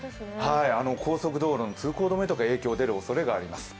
高速道路の通行止めとか影響の出るおそれがあります。